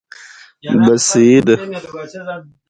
اوښ د افغانستان د چاپیریال د مدیریت لپاره مهم دي.